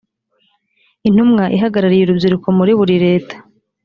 intumwa ihagarariye urubyiruko muri buri leta